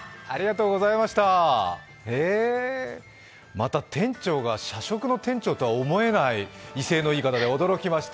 また店長が社食の店長とは思えない威勢のいい方で驚きました。